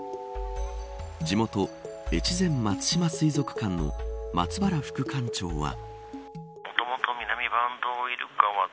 地元、越前松島水族館の松原副館長は。